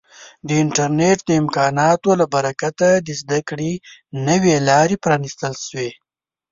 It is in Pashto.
د انټرنیټ د امکاناتو له برکته د زده کړې نوې لارې پرانیستل شوي.